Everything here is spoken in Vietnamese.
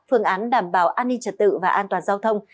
phương án đảm bảo an ninh trật tự và an toàn giao thông